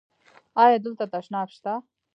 ایا دلته تشناب شته؟